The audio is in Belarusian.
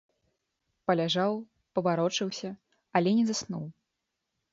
Паляжаў, паварочаўся, але не заснуў.